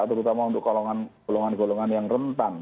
terutama untuk golongan golongan yang rentan